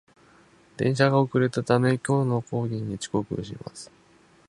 電車が遅れたため、今日の講義に遅刻します